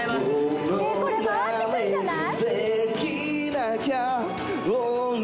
これまわってくんじゃない？